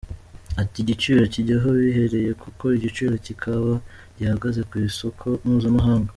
Ati “Igiciro kijyaho bihereye kuko igiciro cy’ikawa gihagaze ku isoko mpuzamahanga.